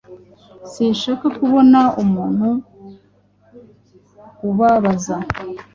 Sinshaka kubona umuntu ubabaza.